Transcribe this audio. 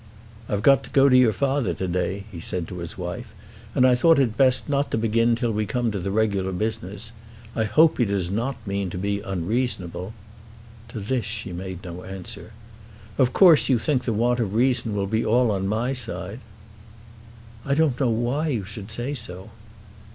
"I've got to go to your father to day," he said to his wife, "and I thought it best not to begin till we come to the regular business. I hope he does not mean to be unreasonable." To this she made no answer. "Of course you think the want of reason will be all on my side." "I don't know why you should say so."